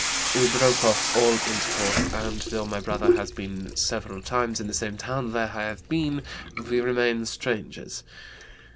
We broke off all intercourse and though my brother has been several times in the same town where I have been, we remain strangers.